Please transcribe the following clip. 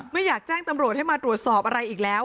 ไม่อยากแจ้งตำรวจให้มาตรวจสอบอะไรอีกแล้ว